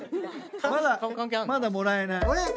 まだまだもらえない。